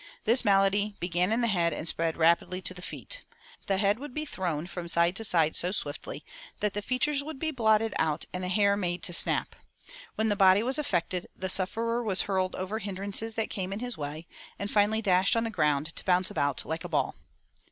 This malady "began in the head and spread rapidly to the feet. The head would be thrown from side to side so swiftly that the features would be blotted out and the hair made to snap. When the body was affected the sufferer was hurled over hindrances that came in his way, and finally dashed on the ground, to bounce about like a ball."